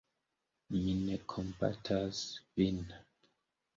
Mi ne kompatas vin.